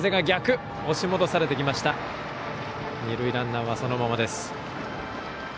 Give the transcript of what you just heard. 二塁ランナー、そのままです。